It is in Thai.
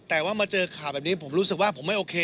แต่ว่ามาเจอข่าวแบบนี้ผมรู้สึกว่าผมไม่โอเค